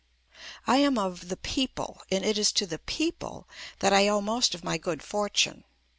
I am of "The People," and it is to "The Peo ple" that I owe most of my good fortune.